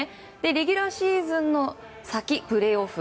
レギュラーシーズンの先プレーオフ。